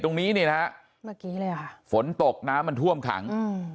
ตรงนี้นี่นะฮะเมื่อกี้เลยค่ะฝนตกน้ำมันท่วมขังอืม